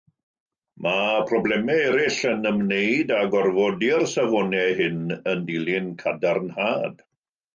Mae problemau eraill yn ymwneud â gorfodi'r safonau hyn yn dilyn cadarnhad.